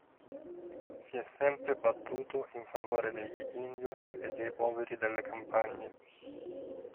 Si è sempre battuto in favore degli Indios e dei poveri delle campagne.